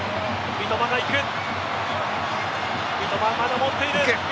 三笘がまだ持っている。